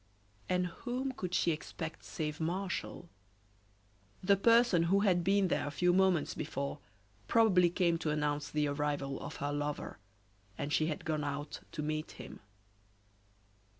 And whom could she expect save Martial? The person who had been there a few moments before probably came to announce the arrival of her lover, and she had gone out to meet him.